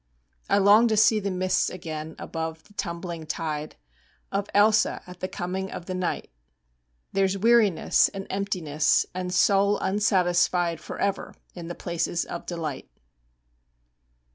I long to see the mists again Above the tumbling tide Of Ailsa, at the coming of the night. There's weariness and emptiness And soul unsatisfied Forever in the places of delight.